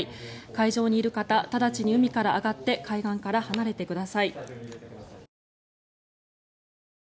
海上にいる方直ちに海から上がって海岸から離れてください。